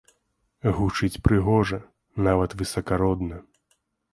Гучыць прыгожа, нават высакародна.